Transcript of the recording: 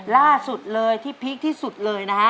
ล่าสุดเลยที่พีคที่สุดเลยนะฮะ